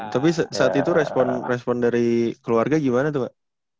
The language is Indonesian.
tapi saat itu respon dari keluarga gimana tuh pak